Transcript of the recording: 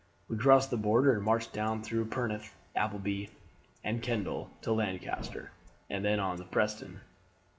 We crossed the border and marched down through Penrith, Appleby, and Kendal to Lancaster, and then on to Preston.